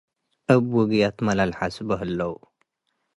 እብ ውግየትመ ለልሐስቦ ህለው ።